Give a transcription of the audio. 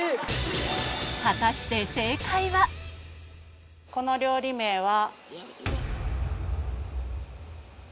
果たしてこの料理名は。